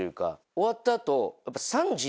終わった後。